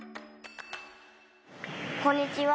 こんにちは。